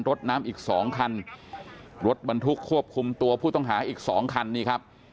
รถน้ำอีกสองคันรถบรรทุกควบคุมตัวผู้ต้องหาอีกสองคันนี่ครับ